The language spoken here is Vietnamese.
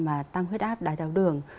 mà tăng huyết áp đai tạo đường